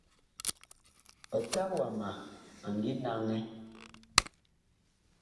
Eta wama a ngi naŋɛ.